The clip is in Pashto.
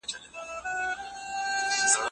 ایا ته غواړې چي لارښود وټاکې؟